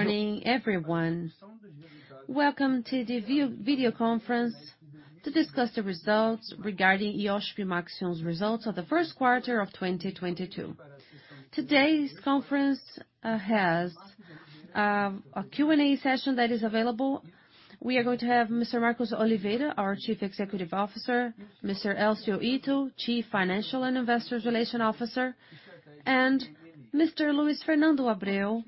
Morning, everyone. Welcome to the video conference to discuss the results regarding Iochpe-Maxion's Results of the First Quarter of 2022. Today's conference has a Q&A session that is available. We are going to have Mr. Marcos Oliveira, our Chief Executive Officer, Mr. Elcio Ito, Chief Financial and Investor Relations Officer, and Mr. Luis Fernando Abreu,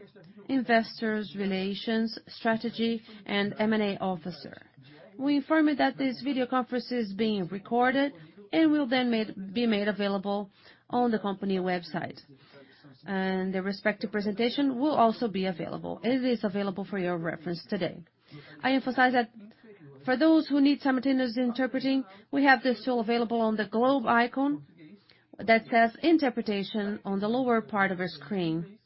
Investor Relations, Strategy and M&A Officer. We inform you that this video conference is being recorded and will be made available on the company website. The respective presentation will also be available, as is available for your reference today. I emphasize that for those who need simultaneous interpreting, we have this tool available on the globe icon that says Interpretation on the lower part of your screen.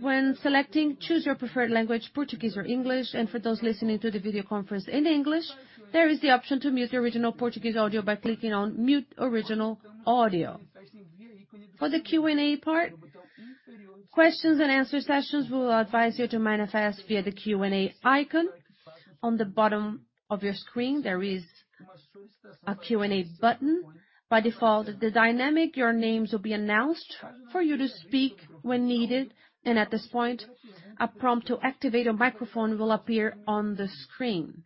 When selecting, choose your preferred language, Portuguese or English. For those listening to the video conference in English, there is the option to mute the original Portuguese audio by clicking on Mute Original Audio. For the Q&A part, questions and answers sessions, we will advise you to submit via the Q&A icon. On the bottom of your screen, there is a Q&A button. By default, dynamically, your names will be announced for you to speak when needed, and at this point, a prompt to activate a microphone will appear on the screen.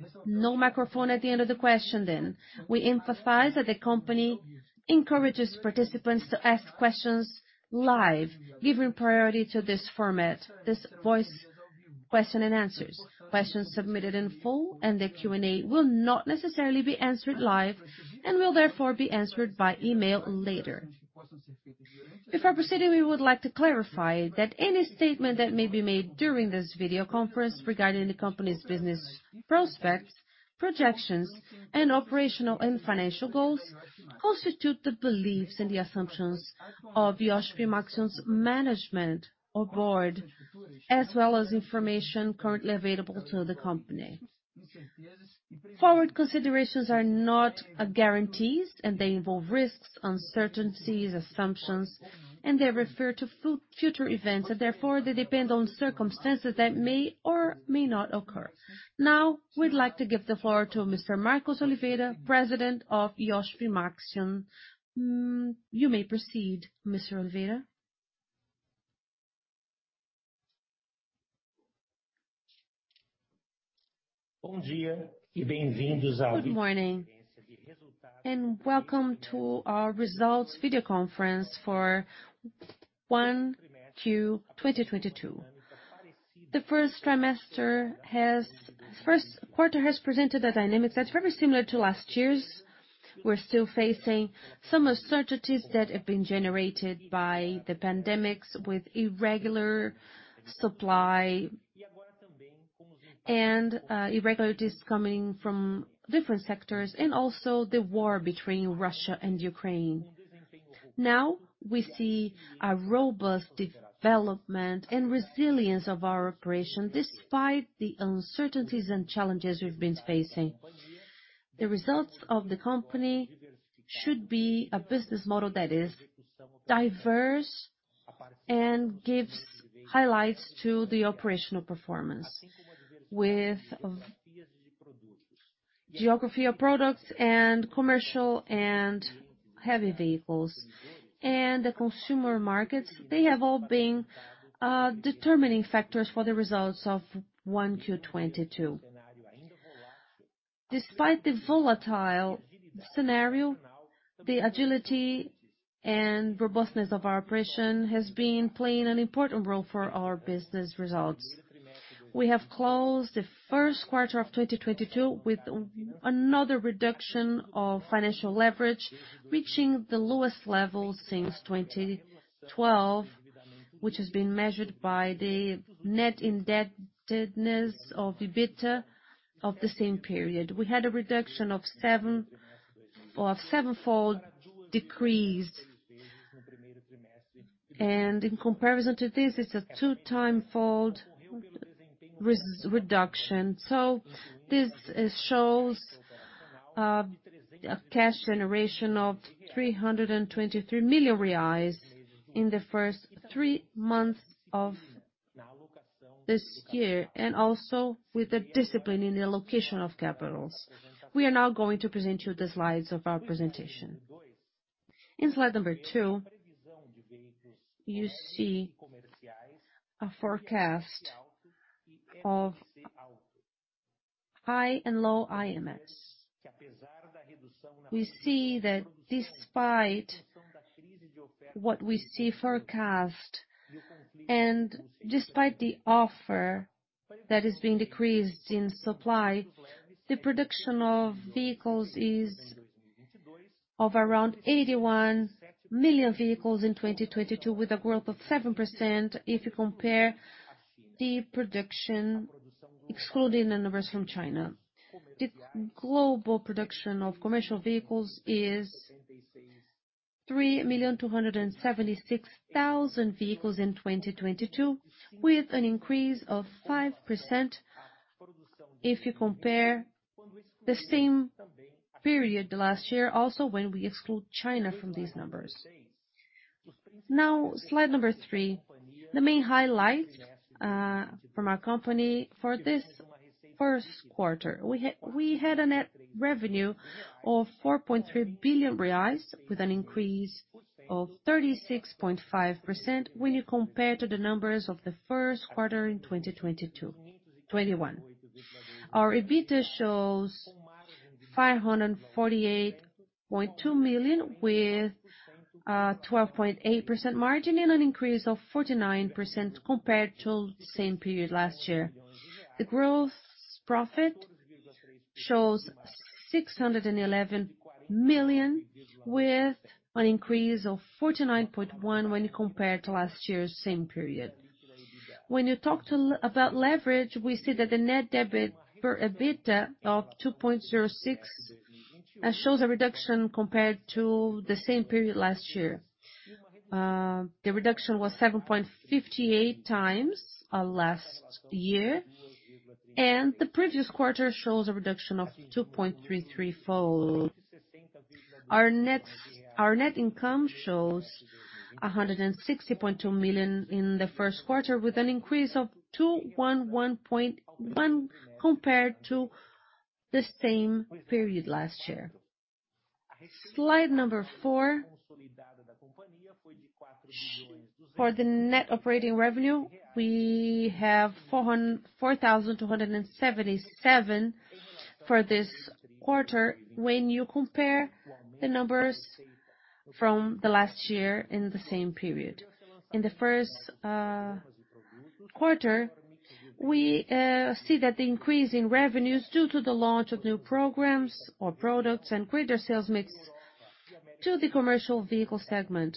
Turn off the microphone at the end of the question, then. We emphasize that the company encourages participants to ask questions live, giving priority to this format, this voice questions and answers. Questions submitted in the Q&A will not necessarily be answered live and will therefore be answered by email later. Before proceeding, we would like to clarify that any statement that may be made during this video conference regarding the company's business prospects, projections, and operational and financial goals constitute the beliefs and the assumptions of Iochpe-Maxion's management or board, as well as information currently available to the company. Forward considerations are not guarantees, and they involve risks, uncertainties, assumptions, and they refer to future events, and therefore, they depend on circumstances that may or may not occur. Now, we'd like to give the floor to Mr. Marcos Oliveira, President of Iochpe-Maxion. You may proceed, Mr. Oliveira. Good morning, and welcome to our results video conference for 1Q 2022. The first quarter has presented a dynamic that's very similar to last year's. We're still facing some uncertainties that have been generated by the pandemics with irregular supply and irregularities coming from different sectors and also the war between Russia and Ukraine. Now, we see a robust development and resilience of our operation despite the uncertainties and challenges we've been facing. The results of the company should be a business model that is diverse and gives highlights to the operational performance with geography of products and commercial and heavy vehicles. The consumer markets, they have all been determining factors for the results of 1Q22. Despite the volatile scenario, the agility and robustness of our operation has been playing an important role for our business results. We have closed the first quarter of 2022 with another reduction of financial leverage, reaching the lowest levels since 2012, which has been measured by the net indebtedness to EBITDA of the same period. We had a reduction of seven, or sevenfold decrease. In comparison to this, it's a twofold reduction. This shows a cash generation of 323 million reais in the first three months of this year, and also with the discipline in the allocation of capital. We are now going to present you the slides of our presentation. In slide number two, you see a forecast of high and low IMX. We see that despite what we see forecast and despite the offer that is being decreased in supply, the production of vehicles is of around 81 million vehicles in 2022 with a growth of 7% if you compare the production excluding the numbers from China. The global production of commercial vehicles is 3,276,000 vehicles in 2022 with an increase of 5% if you compare the same period last year also when we exclude China from these numbers. Now slide number three, the main highlight from our company for this first quarter. We had a net revenue of 4.3 billion reais with an increase of 36.5% when you compare to the numbers of the first quarter in 2021. Our EBITDA shows BRL 548.2 million with 12.8% margin and an increase of 49% compared to the same period last year. The gross profit shows 611 million with an increase of 49.1% when compared to last year's same period. When you talk about leverage, we see that the net debt per EBITDA of 2.06 shows a reduction compared to the same period last year. The reduction was 7.58x last year, and the previous quarter shows a reduction of 2.33 fold. Our net income shows 160.2 million in the first quarter with an increase of 211.1 compared to the same period last year. Slide number four. For the net operating revenue, we have 404,277 for this quarter when you compare the numbers from the last year in the same period. In the first quarter, we see that the increase in revenues due to the launch of new programs or products and greater sales mix to the commercial vehicle segment.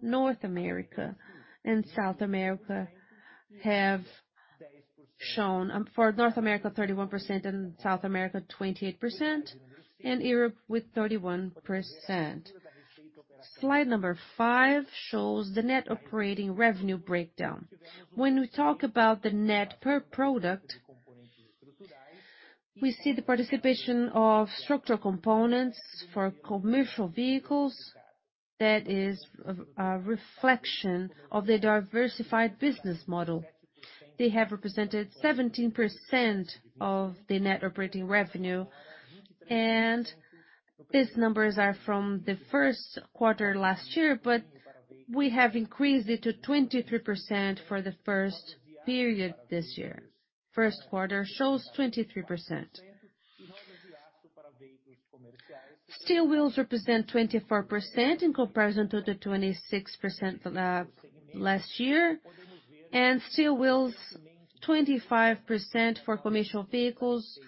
North America and South America have shown, for North America 31% and South America 28%, and Europe with 31%. Slide number five shows the net operating revenue breakdown. When we talk about the net per product, we see the participation of structural components for commercial vehicles. That is a reflection of the diversified business model. They have represented 17% of the net operating revenue, and these numbers are from the first quarter last year, but we have increased it to 23% for the first period this year. First quarter shows 23%. Steel wheels represent 24% in comparison to the 26% last year, and steel wheels, 25% for commercial vehicles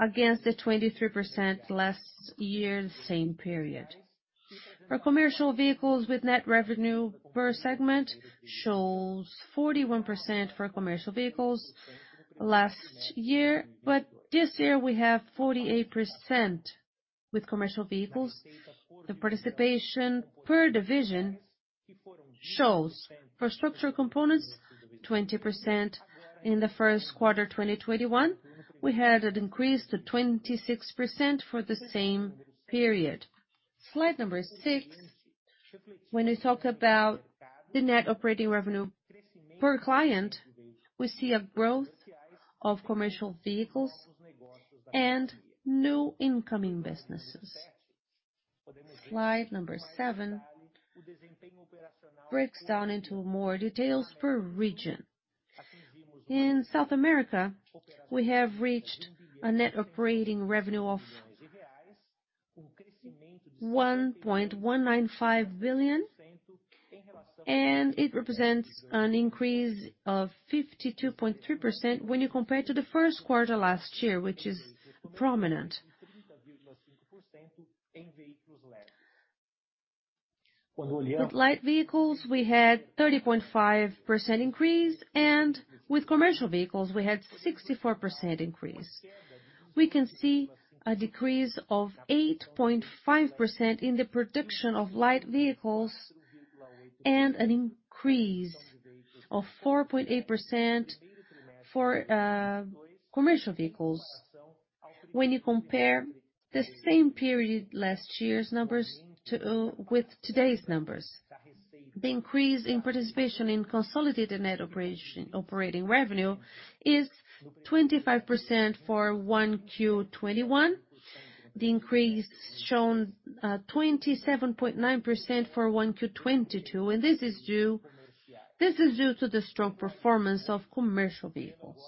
against the 23% last year the same period. For commercial vehicles with net revenue per segment shows 41% for commercial vehicles last year, but this year we have 48% with commercial vehicles. The participation per division shows for structural components, 20% in the first quarter 2021. We had an increase to 26% for the same period. Slide number six, when we talk about the net operating revenue per client, we see a growth of commercial vehicles and new incoming businesses. Slide number seven breaks down into more details per region. In South America, we have reached a net operating revenue of BRL 1.195 billion, and it represents an increase of 52.3% when you compare to the first quarter last year, which is prominent. With light vehicles, we had 30.5% increase, and with commercial vehicles, we had 64% increase. We can see a decrease of 8.5% in the production of light vehicles and an increase of 4.8% for commercial vehicles when you compare the same period last year's numbers with today's numbers. The increase in participation in consolidated net operating revenue is 25% for 1Q 2021. The increase shown 27.9% for 1Q 2022, and this is due to the strong performance of commercial vehicles.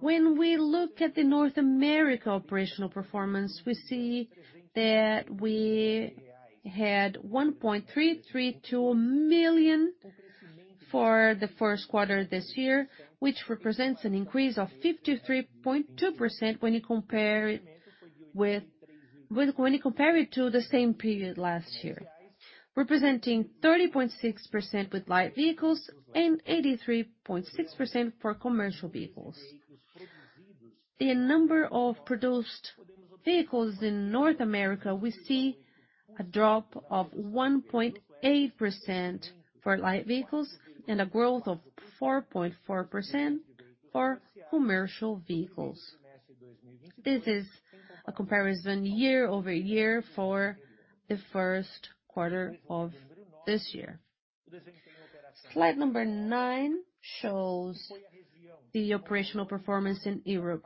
When we look at the North America operational performance, we see that we had 1.332 million for the first quarter this year, which represents an increase of 53.2% when you compare it to the same period last year. Representing 30.6% with light vehicles and 83.6% for commercial vehicles. The number of produced vehicles in North America, we see a drop of 1.8% for light vehicles and a growth of 4.4% for commercial vehicles. This is a comparison year over year for the first quarter of this year. Slide number nine shows the operational performance in Europe,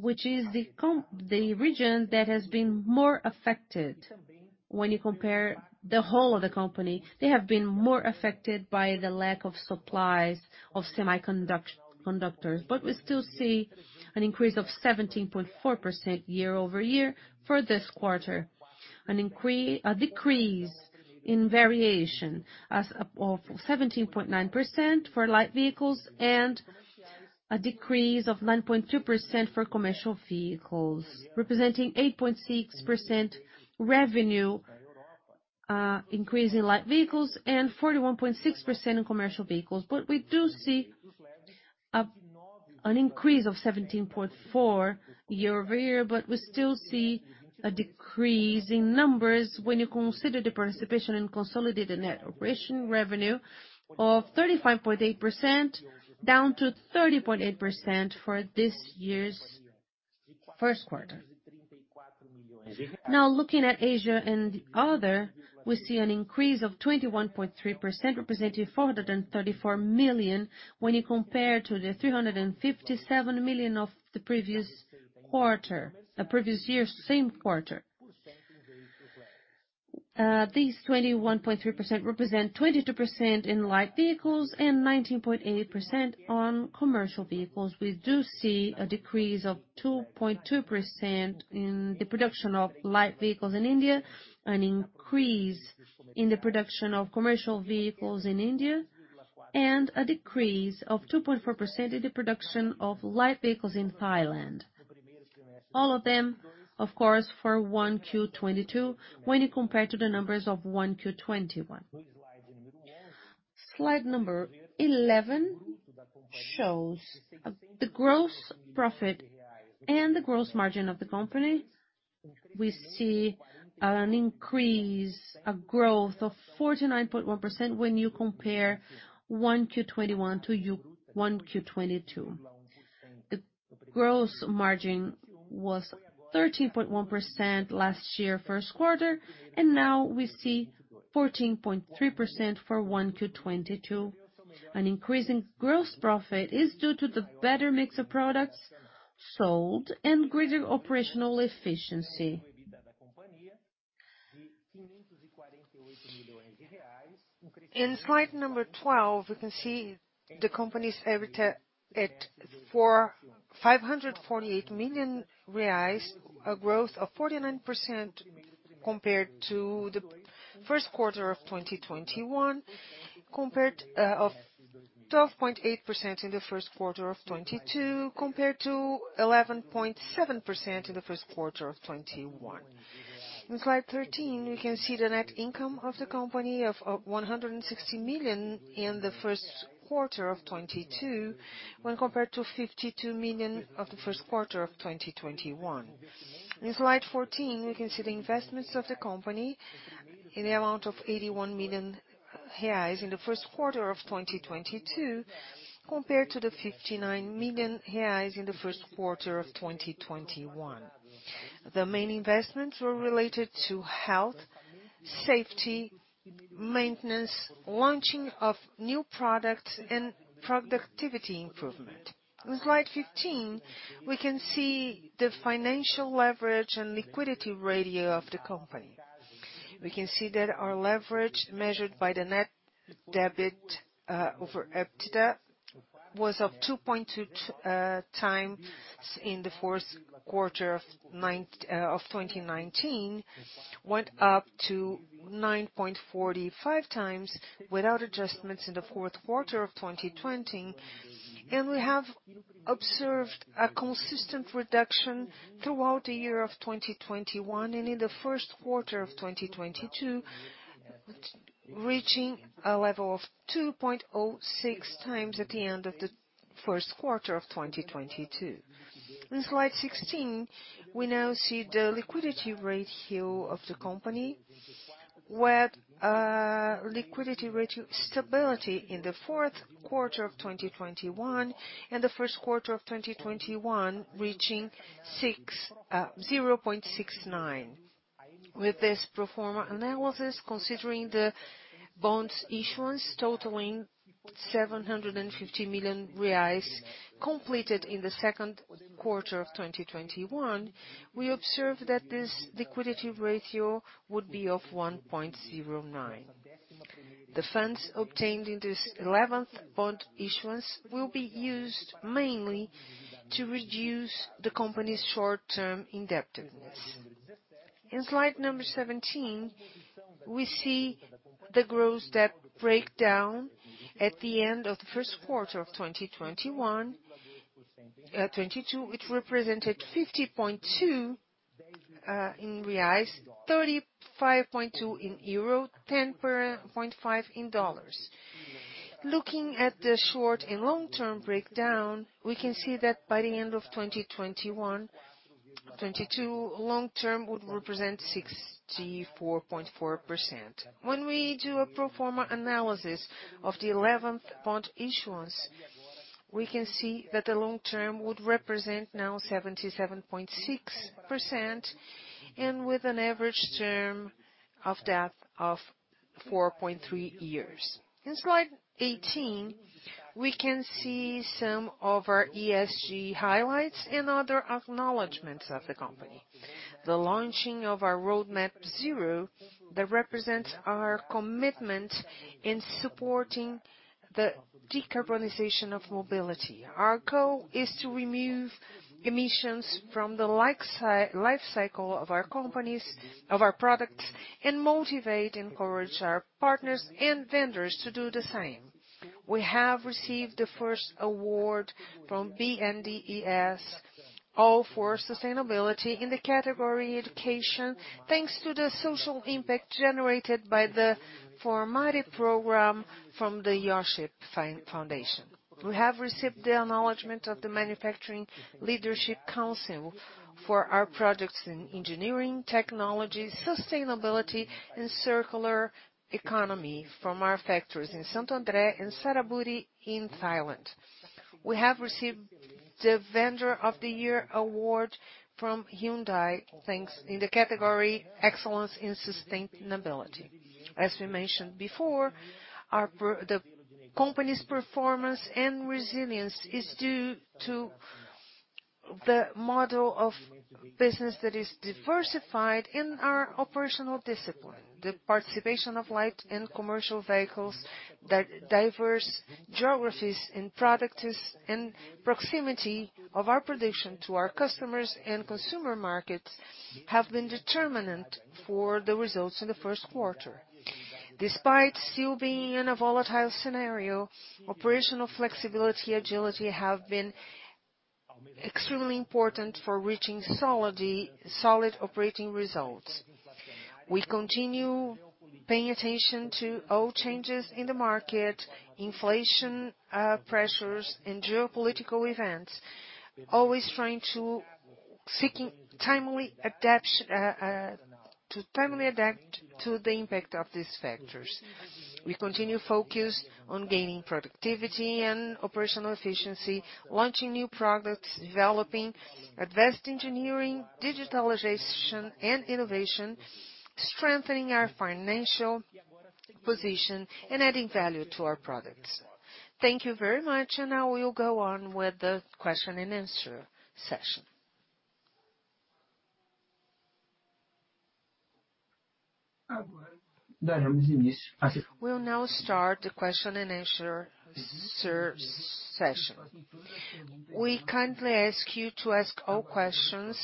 which is the region that has been more affected when you compare the whole of the company. They have been more affected by the lack of supplies of semiconductors. We still see an increase of 17.4% year-over-year for this quarter. A decrease in variation of 17.9% for light vehicles and a decrease of 9.2% for commercial vehicles, representing 8.6% revenue increase in light vehicles and 41.6% in commercial vehicles. We do see an increase of 17.4% year-over-year, but we still see a decrease in numbers when you consider the participation in consolidated net operating revenue of 35.8%, down to 30.8% for this year's first quarter. Now, looking at Asia and other, we see an increase of 21.3%, representing 434 million when you compare to the 357 million of the previous quarter. The previous year's same quarter. These 21.3% represent 22% in light vehicles and 19.8% on commercial vehicles. We do see a decrease of 2.2% in the production of light vehicles in India, an increase in the production of commercial vehicles in India, and a decrease of 2.4% in the production of light vehicles in Thailand. All of them, of course, for 1Q22 when you compare to the numbers of 1Q21. Slide 11 shows the gross profit and the gross margin of the company. We see an increase, a growth of 49.1% when you compare 1Q21 to one Q22. The gross margin was 13.1% last year first quarter, and now we see 14.3% for 1Q22. An increase in gross profit is due to the better mix of products sold and greater operational efficiency. In slide 12, we can see the company's EBITDA at 448 million reais, a growth of 49% compared to the first quarter of 2021. 12.8% in the first quarter of 2022, compared to 11.7% in the first quarter of 2021. In slide 13, we can see the net income of the company of 160 million in the first quarter of 2022 when compared to 52 million of the first quarter of 2021. In slide 14, we can see the investments of the company in the amount of 81 million reais in the first quarter of 2022, compared to 59 million reais in the first quarter of 2021. The main investments were related to health, safety, maintenance, launching of new products, and productivity improvement. In slide 15, we can see the financial leverage and liquidity ratio of the company. We can see that our leverage, measured by the net debt over EBITDA, was 2.2x in the fourth quarter of 2019, went up to 9.45x without adjustments in the fourth quarter of 2020. We have observed a consistent reduction throughout the year of 2021 and in the first quarter of 2022, reaching a level of 2.06x at the end of the first quarter of 2022. In slide 16, we now see the liquidity ratio of the company with liquidity ratio stability in the fourth quarter of 2021 and the first quarter of 2022 reaching 0.69. With this pro forma analysis considering the bonds issuance totaling 750 million reais completed in the second quarter of 2021, we observe that this liquidity ratio would be 1.09. The funds obtained in this eleventh bond issuance will be used mainly to reduce the company's short-term indebtedness. In slide number 17, we see the gross debt breakdown at the end of the first quarter of 2022, which represented 50.2% In reais, EUR 35.2, $10.5. Looking at the short and long term breakdown, we can see that by the end of 2021-2022, long-term would represent 64.4%. When we do a pro forma analysis of the 11th bond issuance, we can see that the long-term would represent now 77.6% and with an average term of 4.3 years. In slide 18, we can see some of our ESG highlights and other acknowledgments of the company. The launching of our Roadmap Zero, that represents our commitment in supporting the decarbonization of mobility. Our goal is to remove emissions from the life cycle of our companies, of our products, and motivate and encourage our partners and vendors to do the same. We have received the first award from BNDES, all for sustainability in the category education, thanks to the social impact generated by the Formare program from the Iochpe Foundation. We have received the acknowledgment of the Manufacturing Leadership Council for our products in engineering technologies, sustainability and circular economy from our factories in Santo André and Saraburi in Thailand. We have received the Vendor of the Year award from Hyundai, thanks in the category Excellence in Sustainability. As we mentioned before, our the company's performance and resilience is due to the model of business that is diversified in our operational discipline. The participation of light and commercial vehicles, diverse geographies and products, and proximity of our production to our customers and consumer markets have been determinant for the results in the first quarter. Despite still being in a volatile scenario, operational flexibility, agility have been extremely important for reaching solid operating results. We continue paying attention to all changes in the market, inflation, pressures and geopolitical events, always seeking to timely adapt to the impact of these factors. We continue focused on gaining productivity and operational efficiency, launching new products, developing advanced engineering, digitalization and innovation, strengthening our financial position and adding value to our products. Thank you very much, and now we will go on with the question and answer session. We'll now start the question and answer session. We kindly ask you to ask all questions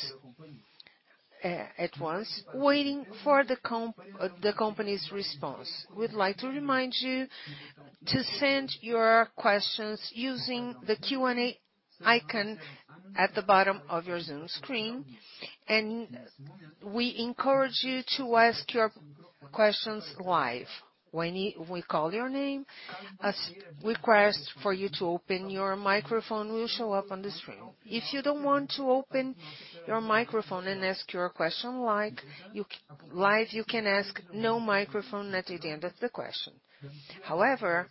at once, waiting for the company's response. We'd like to remind you to send your questions using the Q&A icon at the bottom of your Zoom screen, and we encourage you to ask your questions live. When we call your name, a request for you to open your microphone will show up on the screen. If you don't want to open your microphone and ask your question live, you can ask no microphone at the end of the question. However,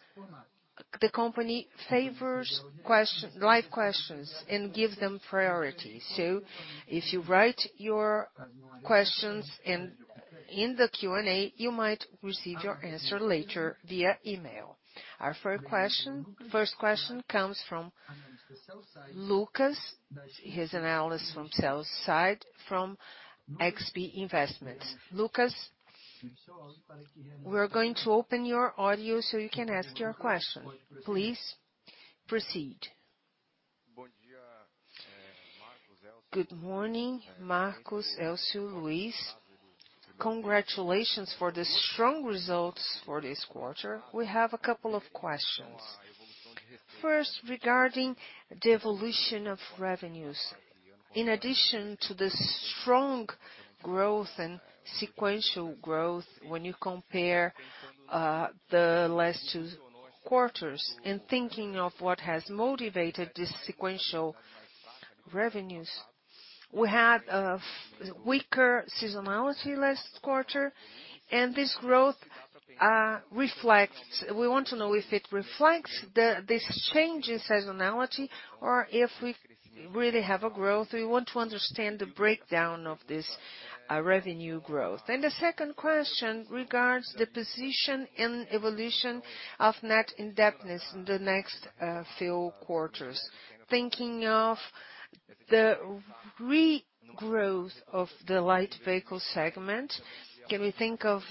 the company favors live questions and give them priority. If you write your questions in the Q&A, you might receive your answer later via email. Our first question comes from Lucas. He's an analyst from sell-side from XP Investments. Lucas, we're going to open your audio so you can ask your question. Please proceed. Good morning, Marcos, Elcio, Luis. Congratulations for the strong results for this quarter. We have a couple of questions. First, regarding the evolution of revenues. In addition to the strong growth and sequential growth, when you compare the last two quarters and thinking of what has motivated this sequential revenues, we had a weaker seasonality last quarter, and this growth reflects. We want to know if it reflects this change in seasonality or if we really have a growth. We want to understand the breakdown of this revenue growth. The second question regards the position and evolution of net indebtedness in the next few quarters. Thinking of the regrowth of the light vehicle segment, can we think of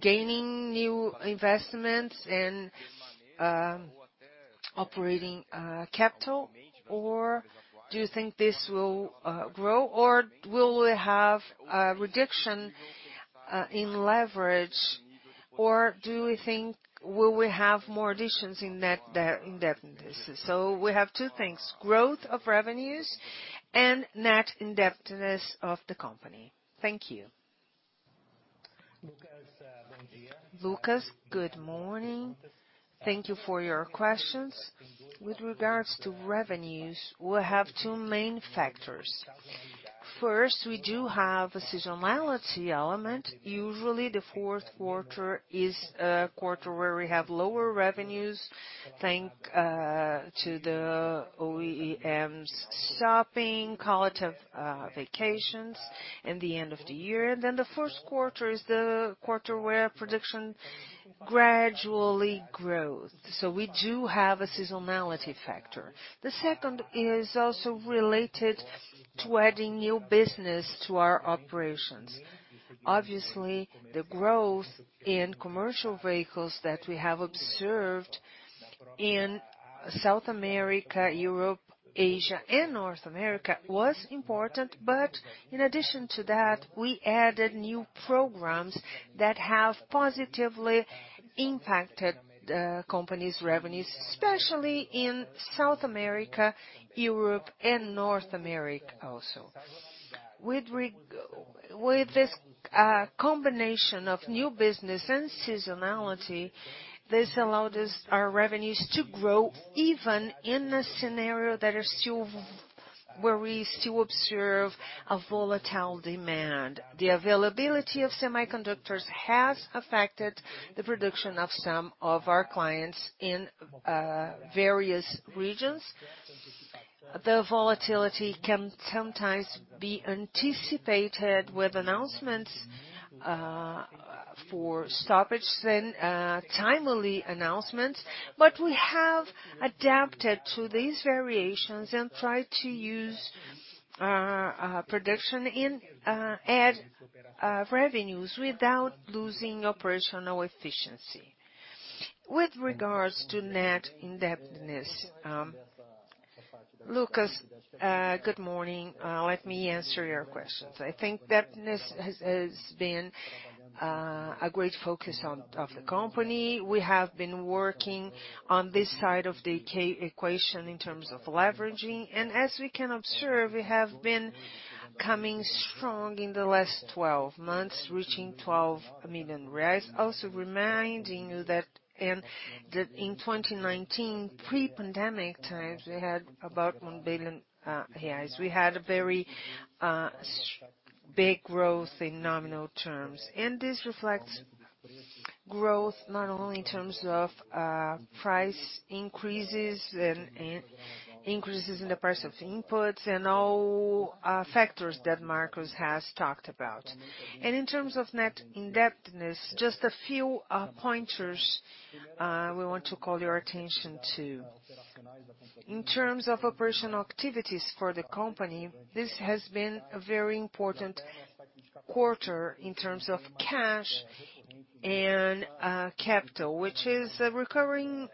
gaining new investments in operating capital, or do you think this will grow? Or will we have a reduction in leverage? Or do we think we will have more additions in net indebtedness? We have two things, growth of revenues and net indebtedness of the company. Thank you. Lucas, good morning. Thank you for your questions. With regards to revenues, we have two main factors. First, we do have a seasonality element. Usually, the fourth quarter is a quarter where we have lower revenues, thanks to the OEMs stopping collective vacations in the end of the year. The first quarter is the quarter where production gradually grows. We do have a seasonality factor. The second is also related to adding new business to our operations. Obviously, the growth in commercial vehicles that we have observed in South America, Europe, Asia, and North America was important. In addition to that, we added new programs that have positively impacted the company's revenues, especially in South America, Europe, and North America also. With this combination of new business and seasonality, this allowed our revenues to grow even in a scenario where we still observe a volatile demand. The availability of semiconductors has affected the production of some of our clients in various regions. The volatility can sometimes be anticipated with announcements for stoppages and timely announcements. We have adapted to these variations and try to use our production and add revenues without losing operational efficiency. With regards to net indebtedness, Lucas, good morning. Let me answer your questions. I think indebtedness has been a great focus of the company. We have been working on this side of the cash equation in terms of leveraging. As we can observe, we have been coming strong in the last 12 months, reaching 12 million reais. Also reminding you that in 2019, pre-pandemic times, we had about 1 billion reais. We had a very big growth in nominal terms. This reflects growth not only in terms of price increases and increases in the price of inputs and all factors that Marcos has talked about. In terms of net indebtedness, just a few pointers we want to call your attention to. In terms of operational activities for the company, this has been a very important quarter in terms of cash and capital, which is a recurring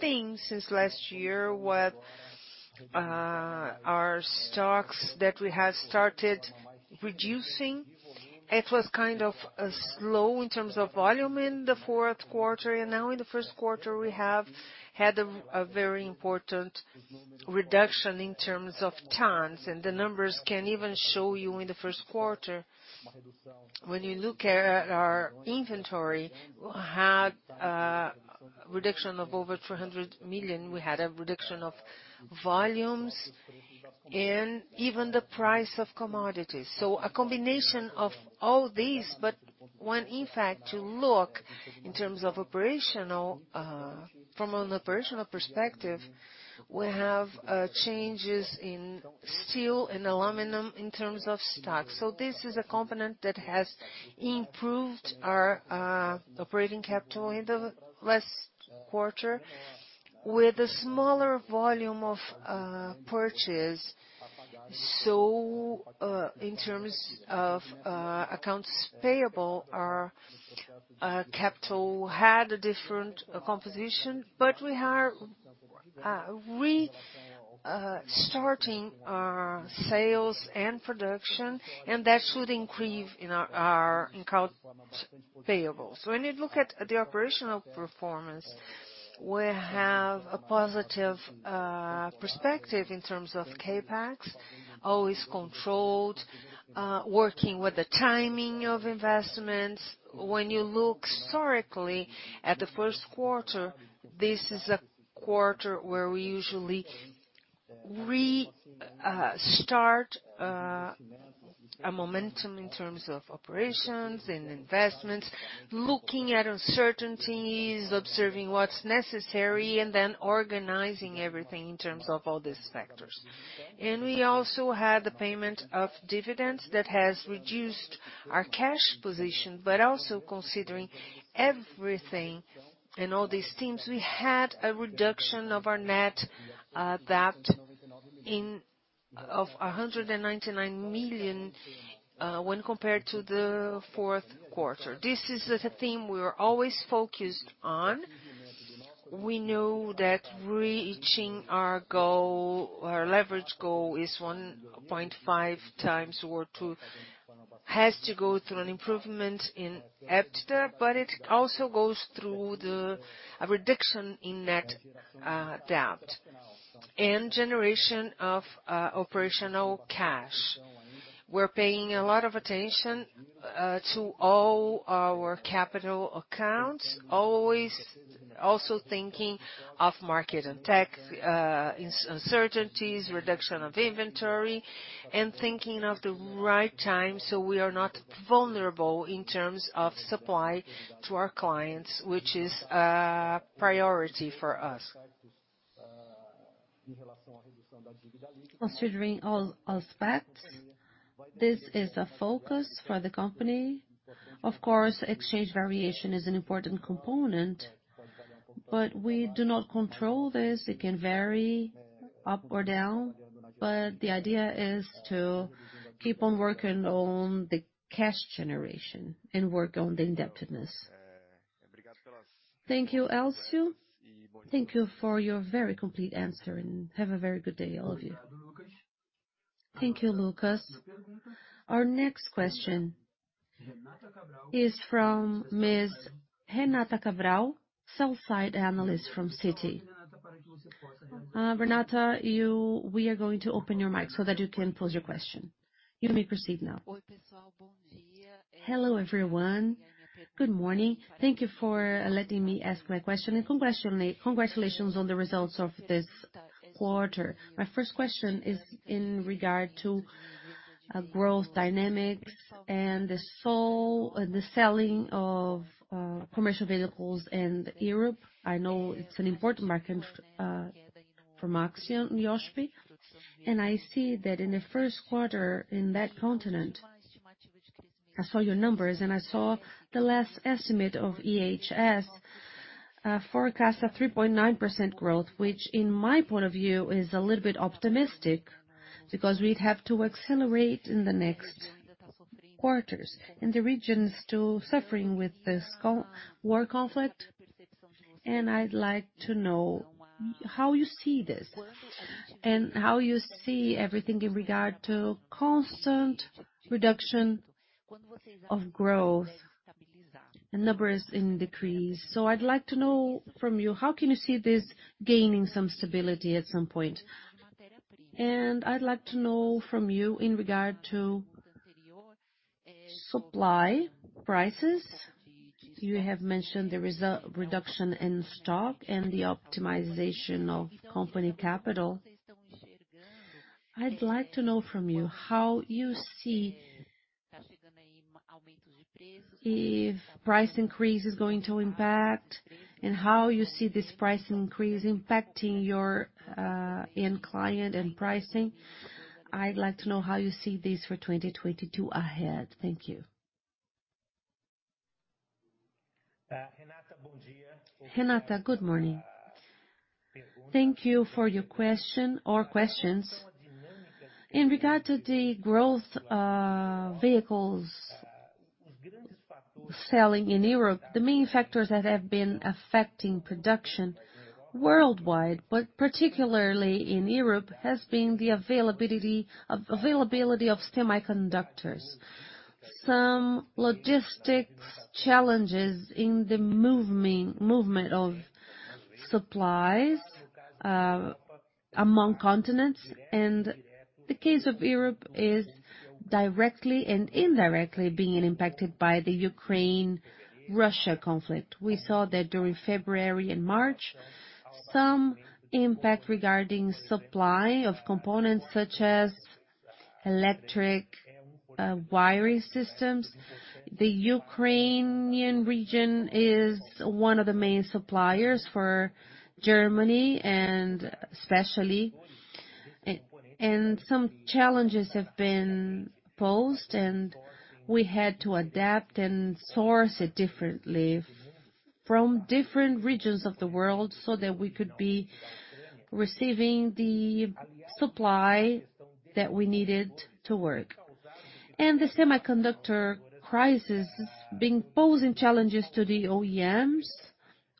thing since last year with our stocks that we have started reducing. It was kind of slow in terms of volume in the fourth quarter, and now in the first quarter, we have had a very important reduction in terms of tons. The numbers can even show you in the first quarter. When you look at our inventory, we had a reduction of over 200 million. We had a reduction of volumes and even the price of commodities. A combination of all these, but when in fact, you look in terms of operational, from an operational perspective, we have changes in steel and aluminum in terms of stock. This is a component that has improved our operating capital in the last quarter with a smaller volume of purchase. In terms of accounts payable, our capital had a different composition, but we are starting our sales and production, and that should increase in our accounts payable. When you look at the operational performance, we have a positive perspective in terms of CapEx, always controlled, working with the timing of investments. When you look historically at the first quarter, this is a quarter where we usually start a momentum in terms of operations and investments, looking at uncertainties, observing what's necessary, and then organizing everything in terms of all these factors. We also had the payment of dividends that has reduced our cash position. Also considering everything and all these things, we had a reduction of our net debt of 199 million when compared to the fourth quarter. This is a theme we are always focused on. We know that reaching our goal, our leverage goal is 1.5x or two has to go through an improvement in EBITDA, but it also goes through a reduction in net debt and generation of operational cash. We're paying a lot of attention to all our capital accounts, always also thinking of market and tech uncertainties, reduction of inventory, and thinking of the right time, so we are not vulnerable in terms of supply to our clients, which is a priority for us. Considering all aspects, this is the focus for the company. Of course, exchange variation is an important component, but we do not control this. It can vary up or down, but the idea is to keep on working on the cash generation and work on the indebtedness. Thank you, Elcio. Thank you for your very complete answer, and have a very good day, all of you. Thank you, Lucas. Our next question is from Ms. Renata Cabral, sell-side analyst from Citi. Renata, we are going to open your mic so that you can pose your question. You may proceed now. Hello, everyone. Good morning. Thank you for letting me ask my question and congratulations on the results of this quarter. My first question is in regard to a growth dynamic and the selling of commercial vehicles in Europe. I know it's an important market for Maxion and Iochpe. I see that in the first quarter in that continent, I saw your numbers, and I saw the last estimate of IHS forecast a 3.9% growth, which in my point of view, is a little bit optimistic because we'd have to accelerate in the next quarters, and the region is still suffering with this war conflict. I'd like to know how you see this and how you see everything in regard to constant reduction of growth and numbers in decrease. I'd like to know from you, how can you see this gaining some stability at some point? I'd like to know from you in regard to supply prices. You have mentioned the resulting reduction in stock and the optimization of company capital. I'd like to know from you how you see if price increase is going to impact and how you see this price increase impacting your end client and pricing. I'd like to know how you see this for 2022 ahead. Thank you. Renata, good morning. Thank you for your question or questions. In regard to the growth of vehicle sales in Europe, the main factors that have been affecting production worldwide, but particularly in Europe, has been the availability of semiconductors. Some logistics challenges in the movement of supplies among continents. The case of Europe is directly and indirectly being impacted by the Ukraine-Russia conflict. We saw that during February and March, some impact regarding supply of components such as electric wiring systems. The Ukrainian region is one of the main suppliers for Germany and especially. Some challenges have been posed, and we had to adapt and source it differently from different regions of the world so that we could be receiving the supply that we needed to work. The semiconductor crisis has been posing challenges to the OEMs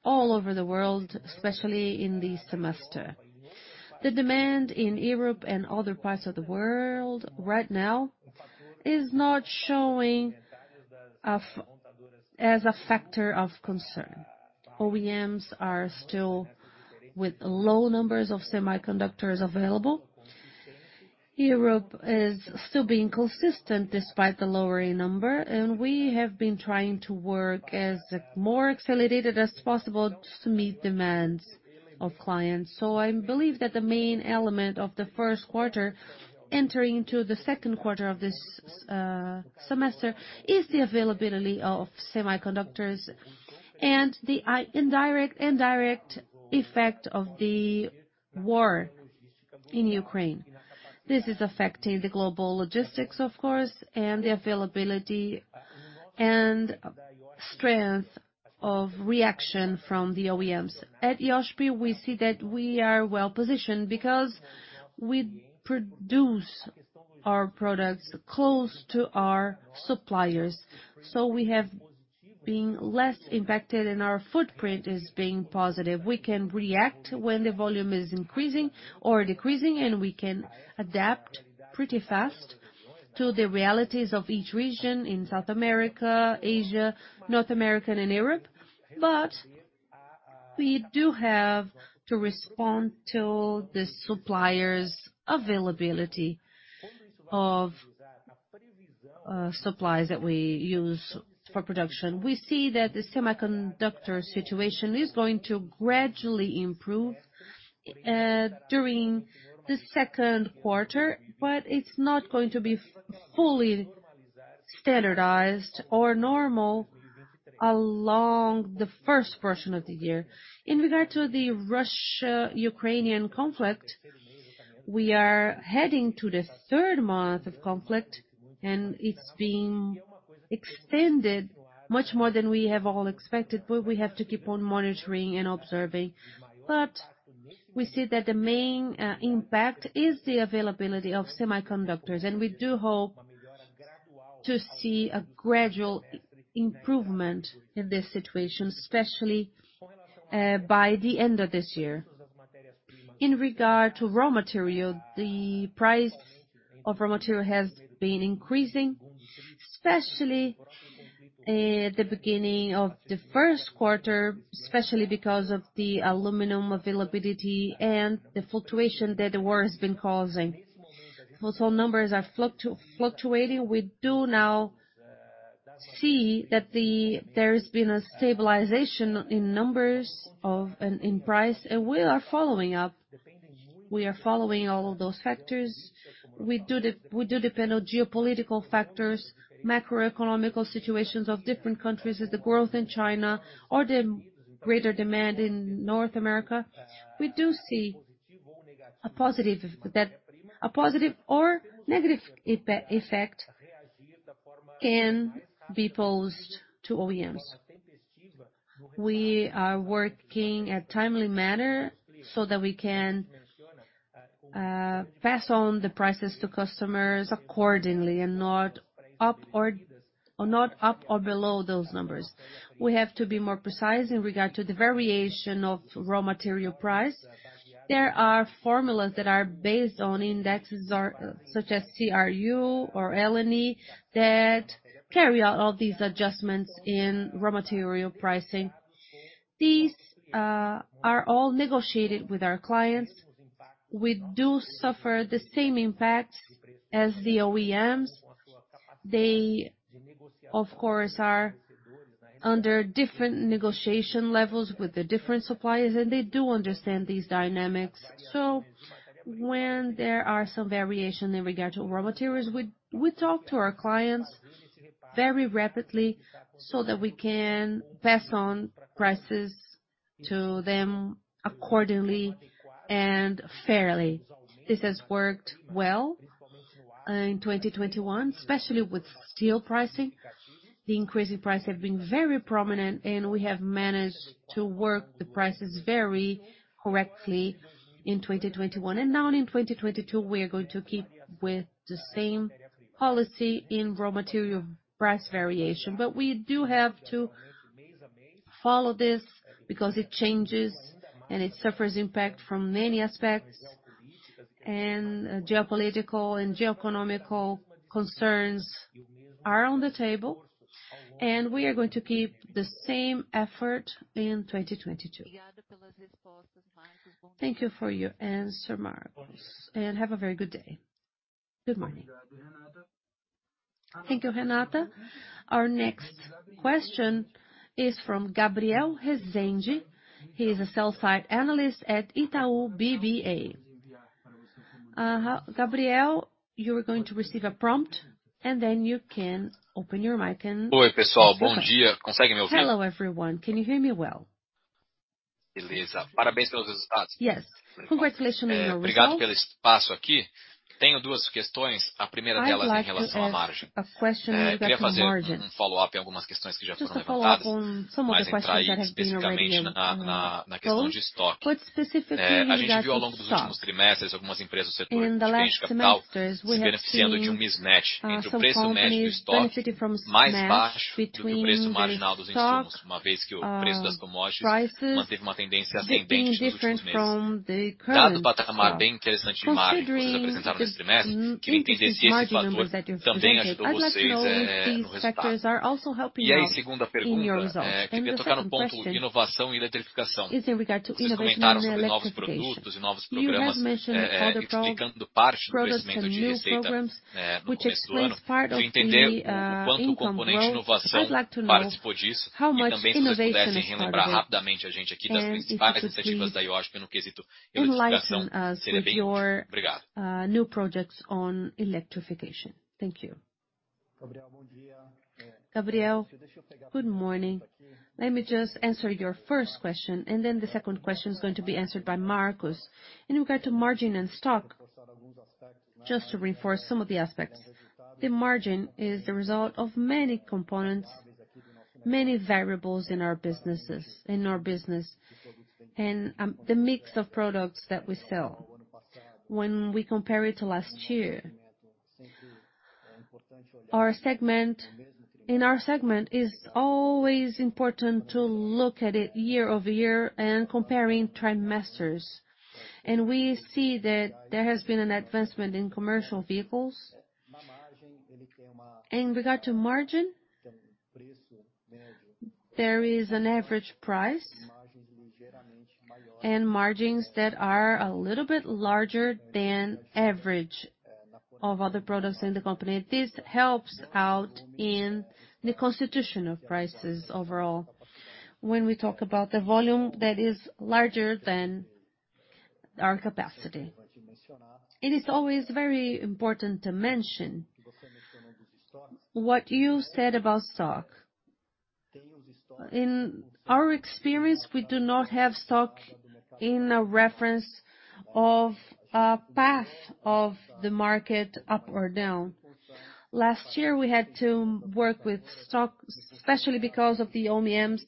all over the world, especially in this semester. The demand in Europe and other parts of the world right now is not showing as a factor of concern. OEMs are still with low numbers of semiconductors available. Europe is still being consistent despite the lowering number, and we have been trying to work as more accelerated as possible to meet demands of clients. I believe that the main element of the first quarter entering into the second quarter of this semester is the availability of semiconductors and the indirect and direct effect of the war in Ukraine. This is affecting the global logistics, of course, and the availability and strength of reaction from the OEMs. At Iochpe-Maxion, we see that we are well-positioned because we produce our products close to our suppliers. We have been less impacted and our footprint is being positive. We can react when the volume is increasing or decreasing, and we can adapt pretty fast to the realities of each region in South America, Asia, North America, and Europe. We do have to respond to the suppliers' availability of supplies that we use for production. We see that the semiconductor situation is going to gradually improve during the second quarter, but it's not going to be fully standardized or normal along the first portion of the year. In regard to the Russo-Ukrainian conflict, we are heading to the third month of conflict, and it's being extended much more than we have all expected, but we have to keep on monitoring and observing. We see that the main impact is the availability of semiconductors, and we do hope to see a gradual improvement in this situation, especially by the end of this year. In regard to raw material, the price of raw material has been increasing, especially the beginning of the first quarter, especially because of the aluminum availability and the fluctuation that the war has been causing. Also, numbers are fluctuating. We do now see that there has been a stabilization in numbers in price, and we are following up. We are following all of those factors. We do depend on geopolitical factors, macroeconomic situations of different countries with the growth in China or the greater demand in North America. We do see that a positive or negative effect can be posed to OEMs. We are working in a timely manner so that we can pass on the prices to customers accordingly and not above or below those numbers. We have to be more precise in regard to the variation of raw material price. There are formulas that are based on indexes such as CRU or LME that carry out all these adjustments in raw material pricing. These are all negotiated with our clients. We do suffer the same impact as the OEMs. They, of course, are under different negotiation levels with the different suppliers, and they do understand these dynamics. When there are some variation in regard to raw materials, we talk to our clients very rapidly so that we can pass on prices to them accordingly and fairly. This has worked well in 2021, especially with steel pricing. The increase in price have been very prominent, and we have managed to work the prices very correctly in 2021. Now in 2022, we are going to keep with the same policy in raw material price variation. We do have to follow this because it changes and it suffers impact from many aspects. Geopolitical and geoeconomical concerns are on the table, and we are going to keep the same effort in 2022. Thank you for your answer, Marcos, and have a very good day. Good morning. Thank you, Renata. Our next question is from Gabriel Rezende. He is a sell-side analyst at Itaú BBA. Gabriel, you are going to receive a prompt, and then you can open your mic and ask your question. Hello, everyone. Can you hear me well? Yes. Congratulations on your results. I'd like to ask a question regarding margin. Just to follow up on some of the questions that have already been posed. Specifically regarding steel. In the different semesters, we have seen some companies benefiting from mismatch between the steel prices being different from the current steel. Considering the interesting margin numbers that you've presented, I'd like to know if these factors are also helping out in your results. The second question is in regard to innovation and electrification. You have mentioned other products and new programs which explains part of the income growth. I'd like to know how much innovation is part of it. If you could please enlighten us with your new projects on electrification. Thank you. Gabriel, good morning. Let me just answer your first question, and then the second question is going to be answered by Marcos. In regard to margin and stock, just to reinforce some of the aspects, the margin is the result of many variables in our business and the mix of products that we sell. When we compare it to last year, in our segment, it's always important to look at it year over year and comparing quarters. We see that there has been an advancement in commercial vehicles. In regard to margin, there is an average price and margins that are a little bit larger than average of other products in the company. This helps out in the constitution of prices overall when we talk about the volume that is larger than our capacity. It's always very important to mention what you said about stock. In our experience, we do not have stock in a reference of a path of the market up or down. Last year, we had to work with stock, especially because of the OEMs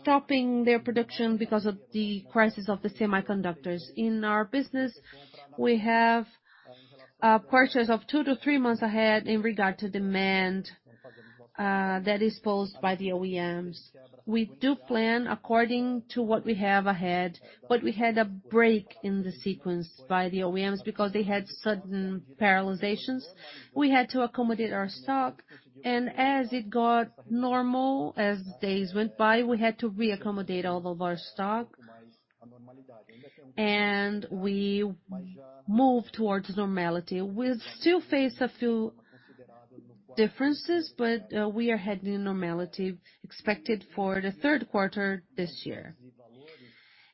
stopping their production because of the crisis of the semiconductors. In our business, we have a purchase of two to three months ahead in regard to demand, that is posed by the OEMs. We do plan according to what we have ahead, but we had a break in the sequence by the OEMs because they had sudden paralyzations. We had to accommodate our stock, and as it got normal, as days went by, we had to re-accommodate all of our stock, and we moved towards normality. We still face a few differences, but we are heading to normality expected for the third quarter this year.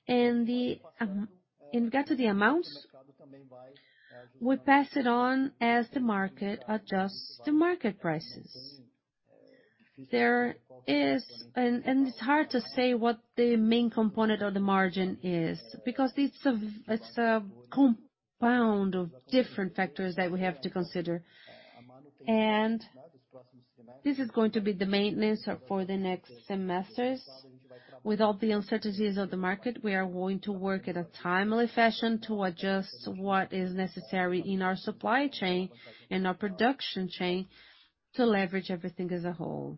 In regard to the amounts, we pass it on as the market adjusts the market prices. It's hard to say what the main component of the margin is because it's a compound of different factors that we have to consider. This is going to be the maintenance for the next semesters. With all the uncertainties of the market, we are going to work in a timely fashion to adjust what is necessary in our supply chain and our production chain to leverage everything as a whole.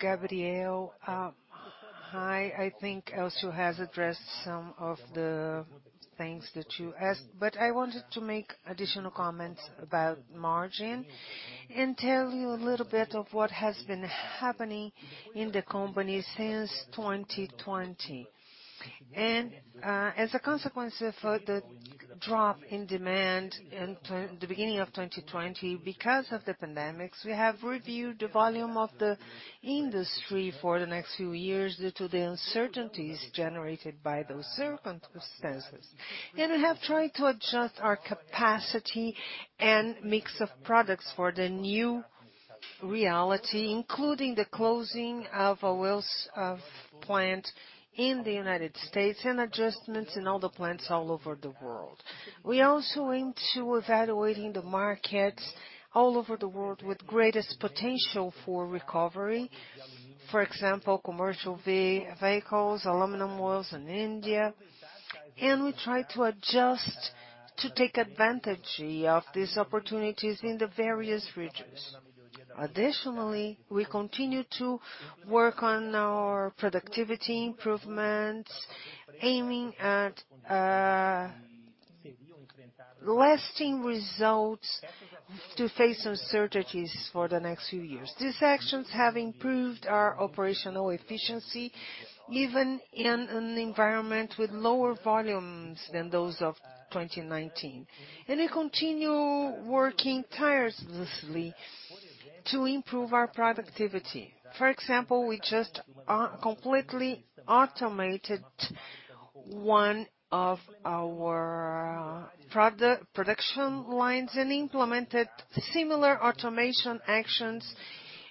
Gabriel, hi. I think Elcio Ito has addressed some of the things that you asked, but I wanted to make additional comments about margin and tell you a little bit of what has been happening in the company since 2020. As a consequence of the drop in demand in the beginning of 2020 because of the pandemic, we have reviewed the volume of the industry for the next few years due to the uncertainties generated by those circumstances. We have tried to adjust our capacity and mix of products for the new reality, including the closing of our wheels plant in the United States and adjustments in all the plants all over the world. We're also into evaluating the markets all over the world with greatest potential for recovery. For example, commercial vehicles, aluminum wheels in India, and we try to adjust to take advantage of these opportunities in the various regions. Additionally, we continue to work on our productivity improvement, aiming at lasting results to face uncertainties for the next few years. These actions have improved our operational efficiency, even in an environment with lower volumes than those of 2019. We continue working tirelessly to improve our productivity. For example, we just completely automated one of our production lines and implemented similar automation actions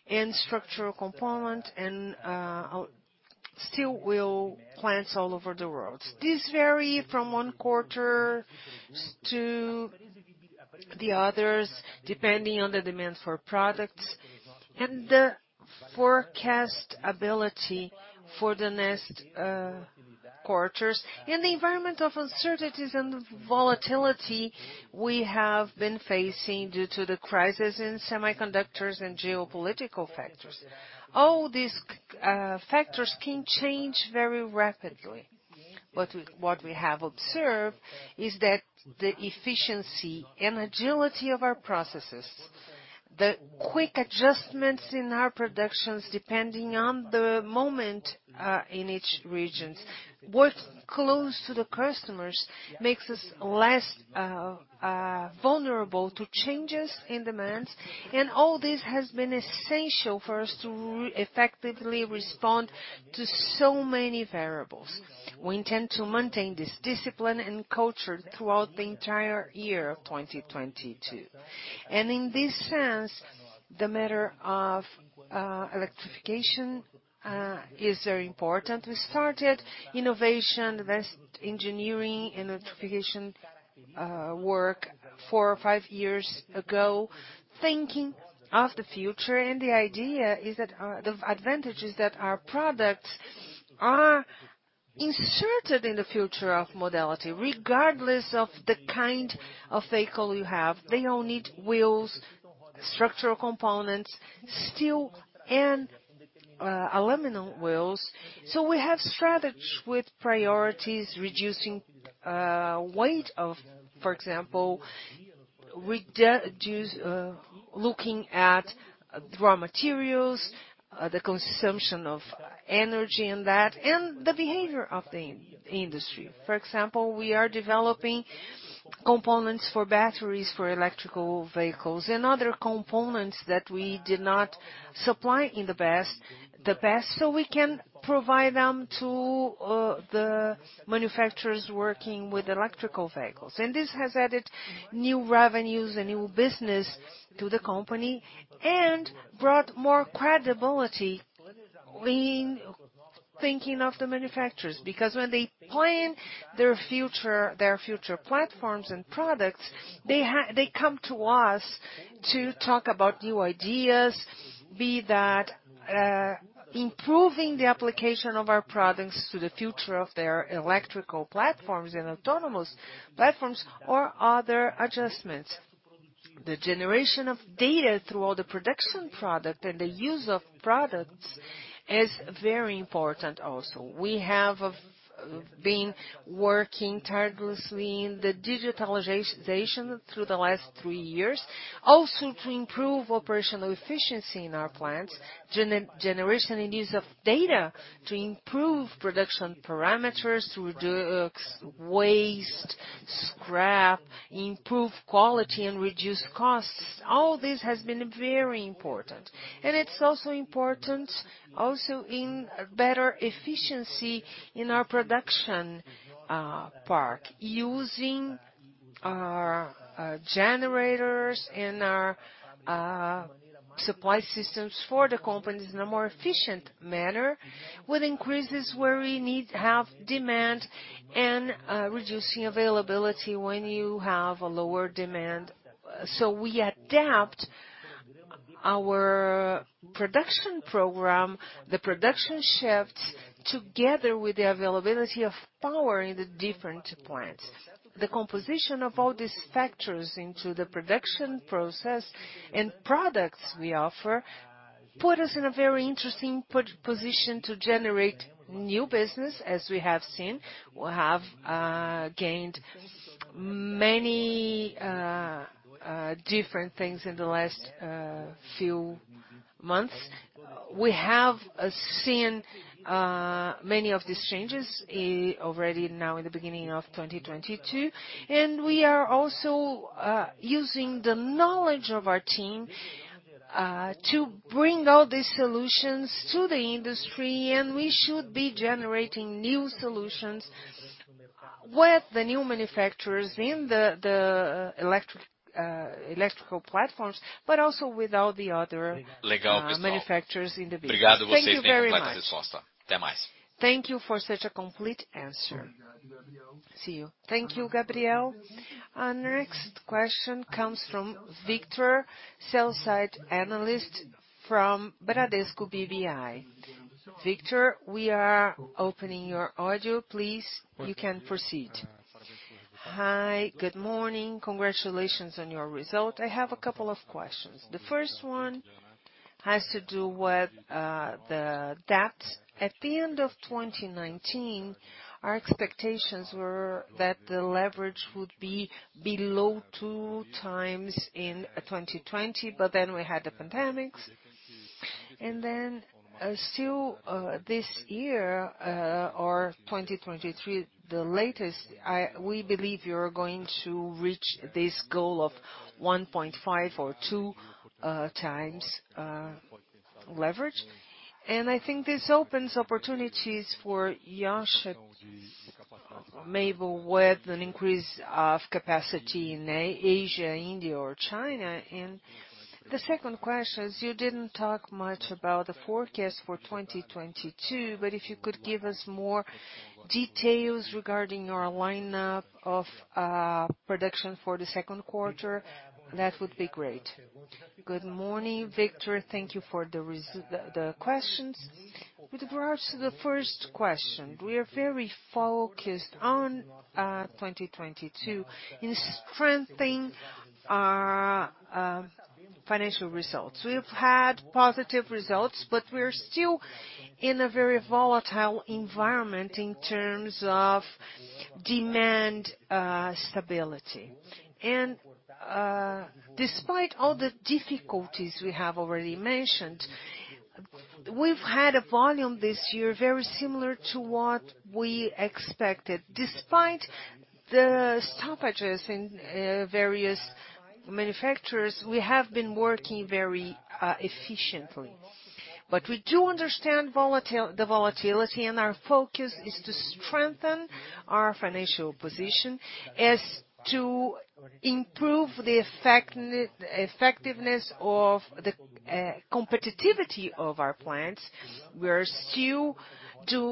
in structural component and steel wheel plants all over the world. These vary from one quarter to the others, depending on the demand for products and the forecast ability for the next quarters, in the environment of uncertainties and volatility we have been facing due to the crisis in semiconductors and geopolitical factors. All these factors can change very rapidly. What we have observed is that the efficiency and agility of our processes, the quick adjustments in our productions depending on the moment in each regions, work close to the customers makes us less vulnerable to changes in demands. All this has been essential for us to effectively respond to so many variables. We intend to maintain this discipline and culture throughout the entire year of 2022. In this sense, the matter of electrification is very important. We started engineering and electrification work four or five years ago thinking of the future. The idea is that our products are inserted in the future of mobility. The advantage is that our products are inserted in the future of mobility. Regardless of the kind of vehicle you have, they all need wheels, structural components, steel and aluminum wheels. We have strategized with priorities reducing weight of, for example, looking at raw materials, the consumption of energy and that, and the behavior of the industry. For example, we are developing components for batteries for electric vehicles and other components that we did not supply in the past, so we can provide them to the manufacturers working with electric vehicles. This has added new revenues and new business to the company and brought more credibility when thinking of the manufacturers. Because when they plan their future platforms and products, they come to us to talk about new ideas. Be that improving the application of our products to the future of their electric platforms and autonomous platforms or other adjustments. The generation of data through all the production product and the use of products is very important also. We have been working tirelessly in the digitalization through the last three years also to improve operational efficiency in our plants. Generation and use of data to improve production parameters, to reduce waste, scrap, improve quality and reduce costs. All this has been very important. It's also important also in better efficiency in our production part. Using our generators and our supply systems for the companies in a more efficient manner with increases where we need to have demand and reducing availability when you have a lower demand. We adapt our production program, the production shifts together with the availability of power in the different plants. The composition of all these factors into the production process and products we offer put us in a very interesting position to generate new business, as we have seen. We have gained many different things in the last few months. We have seen many of these changes already now in the beginning of 2022. We are also using the knowledge of our team to bring all these solutions to the industry, and we should be generating new solutions with the new manufacturers in the electrical platforms, but also with all the other manufacturers in the business. Thank you very much. Thank you for such a complete answer. See you. Thank you, Gabriel. Our next question comes from Victor Mizusaki, analyst from Bradesco BBI. Victor, we are opening your audio. Please, you can proceed. Hi, good morning. Congratulations on your result. I have a couple of questions. The first one has to do with the debt. At the end of 2019, our expectations were that the leverage would be below 2x in 2020, but then we had the pandemic. Then, still, this year, or 2023 the latest, we believe you're going to reach this goal of 1.5 or 2x leverage. I think this opens opportunities for M&A maybe with an increase of capacity in Asia, India or China. The second question is you didn't talk much about the forecast for 2022, but if you could give us more details regarding your lineup of production for the second quarter, that would be great. Good morning, Victor. Thank you for the questions. With regards to the first question, we are very focused on 2022 in strengthening our financial results. We've had positive results, but we're still in a very volatile environment in terms of demand stability. Despite all the difficulties we have already mentioned, we've had a volume this year very similar to what we expected. Despite the stoppages in various manufacturers, we have been working very efficiently. We do understand the volatility, and our focus is to strengthen our financial position as to improve the effectiveness of the competitivity of our plants. We are still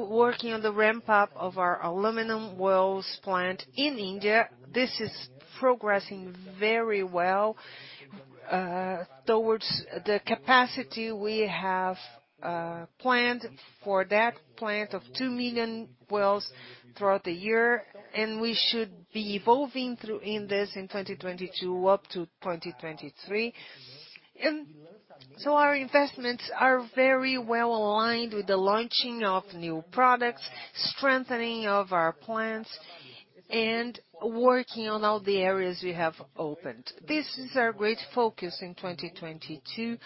working on the ramp up of our aluminum wheels plant in India. This is progressing very well, towards the capacity we have planned for that plant of two million wheels throughout the year, and we should be evolving through this in 2022 up to 2023. Our investments are very well aligned with the launching of new products, strengthening of our plants and working on all the areas we have opened. This is our great focus in 2022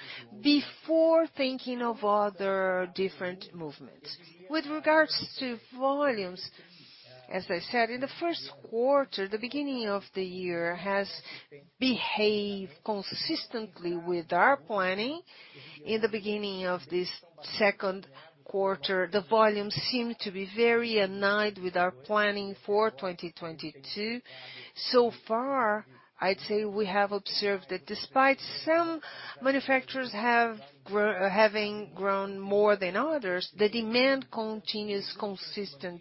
before thinking of other different movements. With regards to volumes, as I said in the first quarter, the beginning of the year has behaved consistently with our planning. In the beginning of this second quarter, the volumes seem to be very in line with our planning for 2022. So far, I'd say we have observed that despite some manufacturers having grown more than others, the demand continues consistent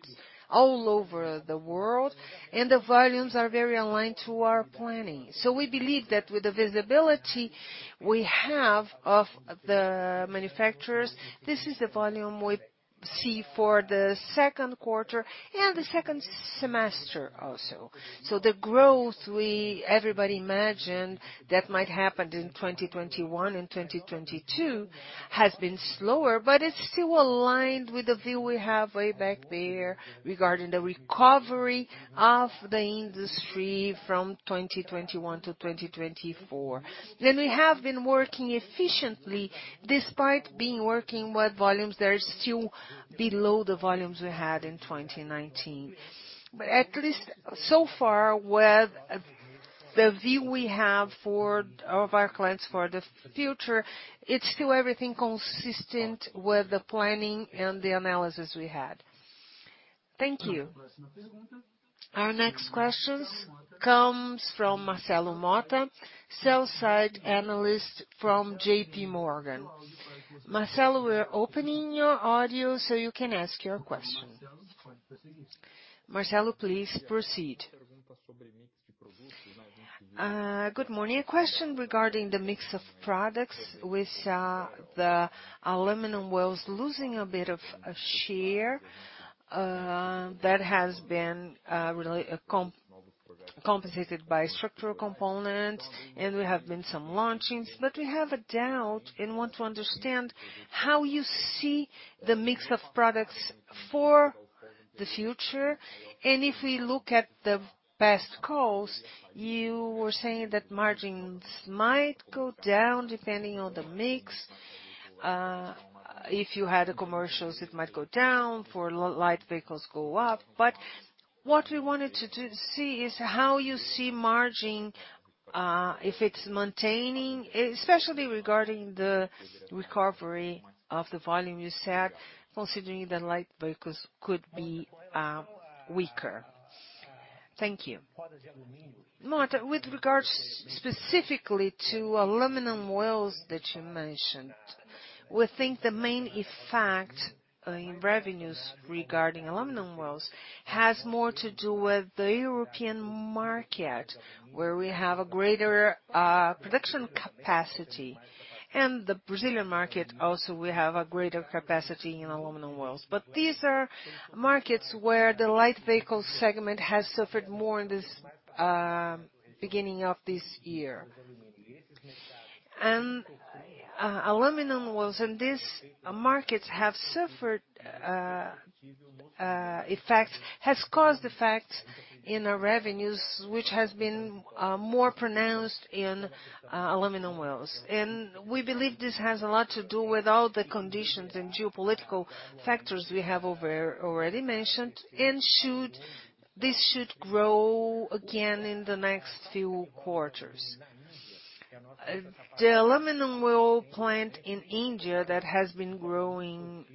all over the world, and the volumes are very aligned to our planning. We believe that with the visibility we have of the manufacturers, this is the volume we see for the second quarter and the second semester also. The growth everybody imagined that might happen in 2021 and 2022 has been slower, but it's still aligned with the view we have way back there regarding the recovery of the industry from 2021 to 2024. We have been working efficiently despite being working with volumes that are still below the volumes we had in 2019. At least so far, with the view we have of our clients for the future, it's still everything consistent with the planning and the analysis we had. Thank you. Our next question comes from Marcelo Motta, sell-side analyst from J.P. Morgan. Marcelo, we're opening your audio so you can ask your question. Marcelo, please proceed. Good morning. A question regarding the mix of products with the aluminum wheels losing a bit of share that has been really compensated by structural components, and there have been some launchings. We have a doubt and want to understand how you see the mix of products for the future. If we look at the past calls, you were saying that margins might go down depending on the mix. If you had the commercial vehicles, it might go down. For light vehicles go up. What we wanted to see is how you see margin, if it's maintaining, especially regarding the recovery of the volume you said, considering that light vehicles could be weaker. Thank you. Motta, with regards specifically to aluminum wheels that you mentioned, we think the main effect in revenues regarding aluminum wheels has more to do with the European market, where we have a greater production capacity. The Brazilian market also we have a greater capacity in aluminum wheels. These are markets where the light vehicle segment has suffered more in this beginning of this year. Aluminum wheels in these markets have suffered, which has caused effect in our revenues, which has been more pronounced in aluminum wheels. We believe this has a lot to do with all the conditions and geopolitical factors we have already mentioned, and this should grow again in the next few quarters. The aluminum wheel plant in India that has been growing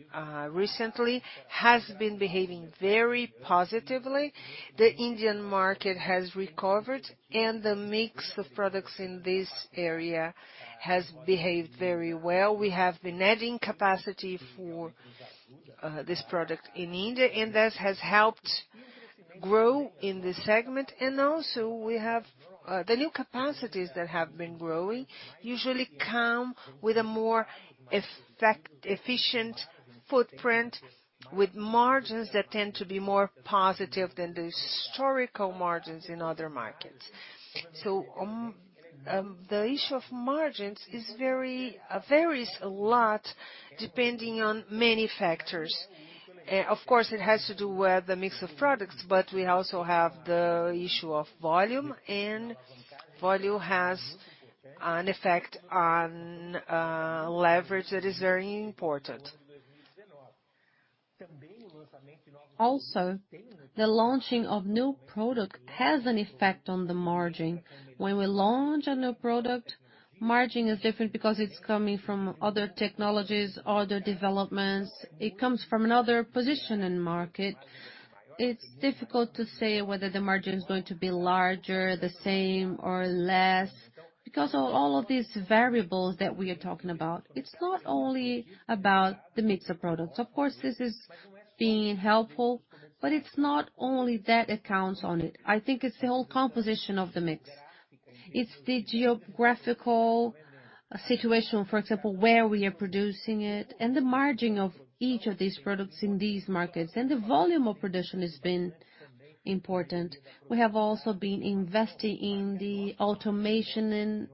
recently has been behaving very positively. The Indian market has recovered, and the mix of products in this area has behaved very well. We have been adding capacity for this product in India, and that has helped grow in this segment. We also have the new capacities that have been growing usually come with a more efficient footprint with margins that tend to be more positive than the historical margins in other markets. The issue of margins varies a lot depending on many factors. Of course, it has to do with the mix of products, but we also have the issue of volume, and volume has an effect on leverage that is very important. Also, the launching of new product has an effect on the margin. When we launch a new product, margin is different because it's coming from other technologies, other developments. It comes from another position in the market. It's difficult to say whether the margin is going to be larger, the same, or less because of all of these variables that we are talking about. It's not only about the mix of products. Of course, this is being helpful, but it's not only that accounts for it. I think it's the whole composition of the mix. It's the geographical situation, for example, where we are producing it and the margin of each of these products in these markets and the volume of production has been important. We have also been investing in the automation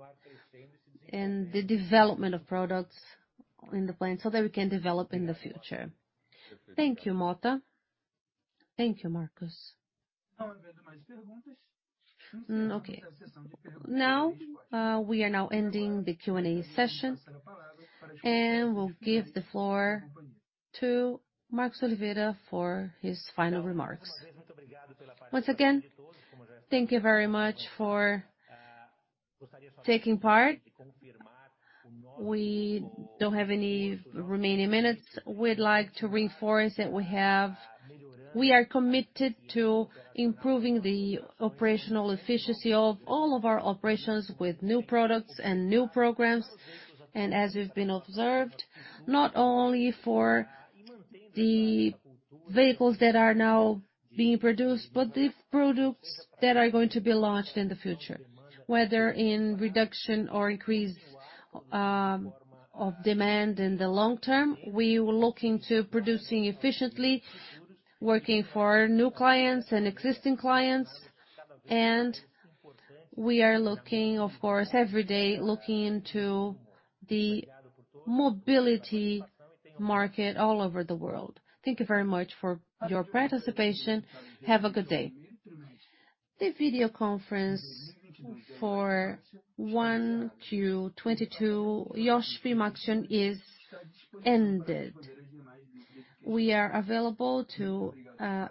and the development of products in the plant so that we can develop in the future. Thank you, Motta. Thank you, Marcos. Now, we are ending the Q&A session and we'll give the floor to Marcos Oliveira for his final remarks. Once again, thank you very much for taking part. We don't have any remaining minutes. We'd like to reinforce that we are committed to improving the operational efficiency of all of our operations with new products and new programs. As we've been observed, not only for the vehicles that are now being produced, but the products that are going to be launched in the future. Whether in reduction or increase of demand in the long term, we are looking to producing efficiently, working for new clients and existing clients. We are looking, of course, every day looking into the mobility market all over the world. Thank you very much for your participation. Have a good day. The video conference for 1Q22 Iochpe-Maxion is ended. We are available to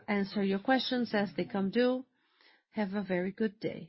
answer your questions as they come due. Have a very good day.